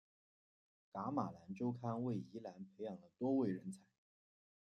噶玛兰周刊为宜兰培养了多位人才。